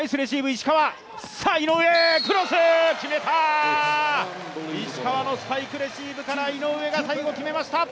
石川のスパイクレシーブから井上が最後決めました！